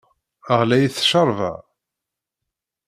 Ɣlayet cceṛba!